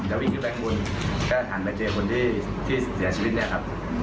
วิ่งขึ้นไปข้างบนก็หันไปเจอคนที่เสียชีวิตเนี่ยครับ